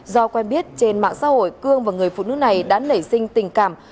do quen biết trên mạng xã hội cương và người phụ nữ này đã nảy sinh tình cảm